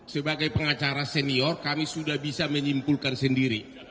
sebagai pengacara senior kami sudah bisa menyimpulkan sendiri